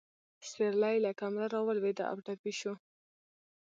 سېرلی له کمره راولوېده او ټپي شو.